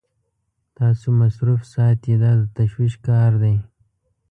تاسو مصروف ساتي دا د تشویش کار دی.